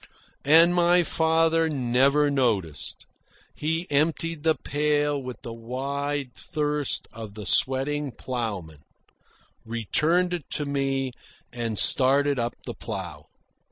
And my father never noticed. He emptied the pail with the wide thirst of the sweating ploughman, returned it to me, and started up the plough.